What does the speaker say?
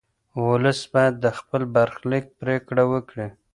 ولس باید د خپل برخلیک پرېکړه وکړي.